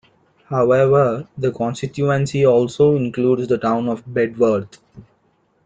However the constituency also includes the town of Bedworth.